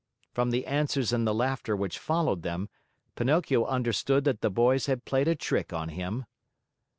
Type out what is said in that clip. From the answers and the laughter which followed them, Pinocchio understood that the boys had played a trick on him.